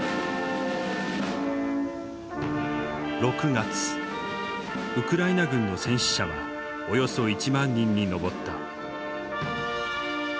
６月ウクライナ軍の戦死者はおよそ１万人に上った。